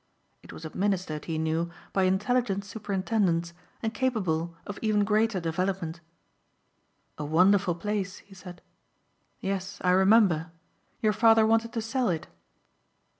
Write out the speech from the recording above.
It was administered, he knew, by intelligent superintendents and capable of even greater development. "A wonderful place," he said. "Yes, I remember. Your father wanted to sell it."